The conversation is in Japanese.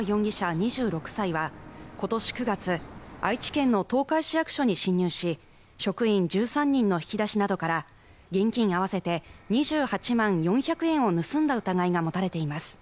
２６歳はことし９月愛知県の東海市役所に侵入し職員１３人の引き出しなどから現金合わせて２８万４００円を盗んだ疑いが持たれています